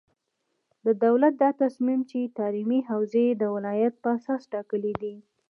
د دولت دا تصمیم چې تعلیمي حوزې یې د ولایت په اساس ټاکلې دي،